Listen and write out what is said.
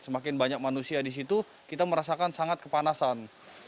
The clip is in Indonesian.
semakin banyak manusia di situ kita merasakan sangat kepanasan